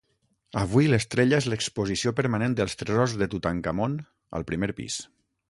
Avui l'estrella és l'exposició permanent dels tresors de Tutankamon, al primer pis.